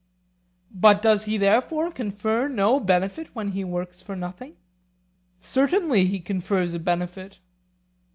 But does he therefore confer no benefit when he works for nothing? Certainly, he confers a benefit.